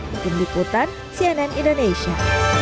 dikundikutan cnn indonesia